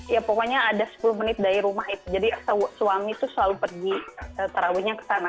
ya pokoknya ada sepuluh menit dari rumah itu jadi suami itu selalu pergi terawihnya ke sana